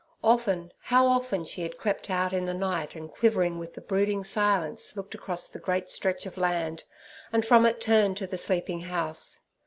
Often, how often, she had crept out in the night, and, quivering with the brooding silence, looked across the great stretch of land, and from it turned to the sleeping house.